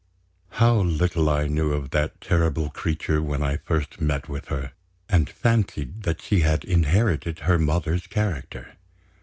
How little I knew of that terrible creature when I first met with her, and fancied that she had inherited her mother's character!